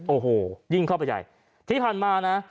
โอ้โหยิ่งเข้าไปใหญ่ที่ผ่านมานะ